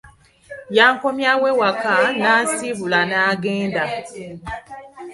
Yankomyawo ewaka n'asimbula n'agenda.